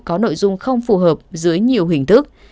có nội dung không phù hợp dưới nhiều hình thức